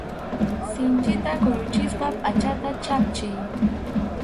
Sinchita kuyuchispa pʼachata chhapchiy.